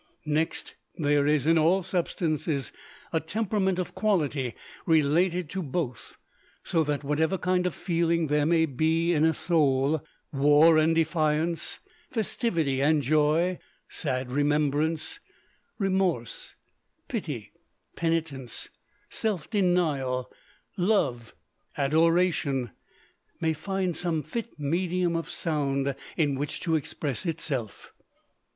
Next, there is in all substances a temperament of quality related to both; so that whatever kind of feeling there may be in a soul war and defiance, festivity and joy, sad remembrance, remorse, pity, penitence, self denial, love, adoration may find some fit medium of sound in which to express itself.